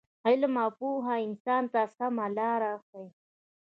علم او پوهه انسان ته سمه لاره ښیي.